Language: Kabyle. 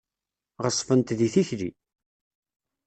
Ɣeṣbent di tikli.